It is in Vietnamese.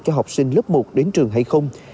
cho học sinh lớp một đến trường hay không